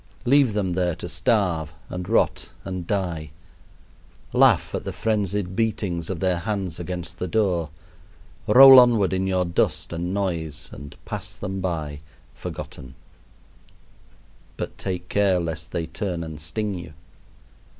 Leave them there to starve, and rot, and die. Laugh at the frenzied beatings of their hands against the door. Roll onward in your dust and noise and pass them by, forgotten. But take care lest they turn and sting you.